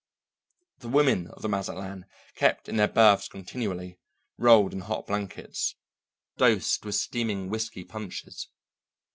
The women of the Mazatlan kept in their berths continually, rolled in hot blankets, dosed with steaming whisky punches.